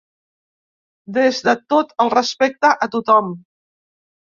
Des de tot el respecte a tothom.